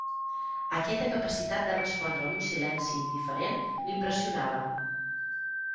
Aquesta capacitat de respondre amb un silenci indiferent l'impressionava.